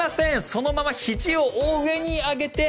そのままひじを上に上げて